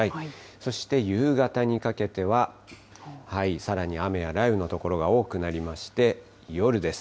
そして夕方にかけては、さらに雨や雷雨の所が多くなりまして、夜です。